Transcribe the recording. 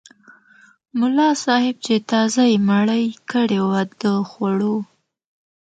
ملا صاحب چې تازه یې مړۍ کړې وه د خوړو.